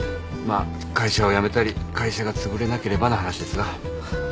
まあ会社を辞めたり会社がつぶれなければの話ですが。